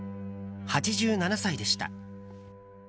８７歳でした。